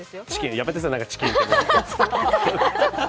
やめてください、チキンって。